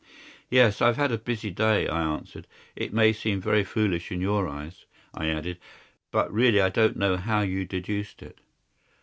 "Yes, I've had a busy day," I answered. "It may seem very foolish in your eyes," I added, "but really I don't know how you deduced it."